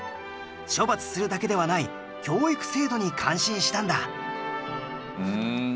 処罰するだけではない教育制度に感心したんだ。